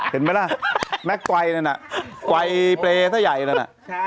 เห็นมั้ยน่ะแม็กกวายนั้นน่ะกว่ายเปรย์ใช่ไง